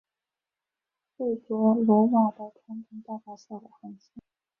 贝卓罗瓦的传统代表色为红色。